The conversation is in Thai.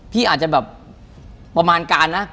พี่อาจจะแบบประมาณการนะ